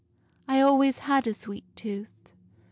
' I always had a sweet tooth.